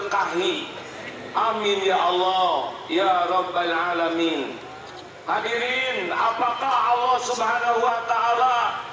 karena ihtiar hanyalah ibadah